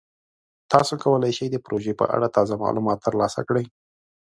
تاسو کولی شئ د پروژې په اړه تازه معلومات ترلاسه کړئ.